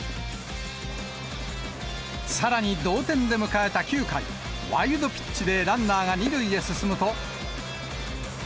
さらに同点で迎えた９回、ワイルドピッチでランナーが２塁へ進むと。